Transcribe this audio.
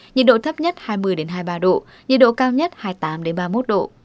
nhiệt độ thấp nhất hai mươi hai mươi ba độ nhiệt độ cao nhất hai mươi tám ba mươi một độ